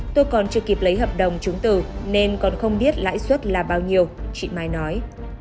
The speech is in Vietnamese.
tôi còn chưa kịp lấy hợp đồng chứng từ nên còn không biết lãi suất là bao nhiêu chị mai nói